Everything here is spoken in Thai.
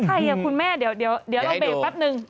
ค่ะท่านคุณแม่เดี๋ยวเดี๋ยวเรารอเบลซ์แป๊บหนึ่ง